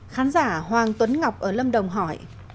khán giả hoàng tuấn ngọc ở lâm đồng hỏi